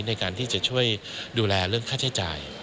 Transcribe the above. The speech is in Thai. ในการที่จะช่วยดูแลเรื่องค่าใช้จ่าย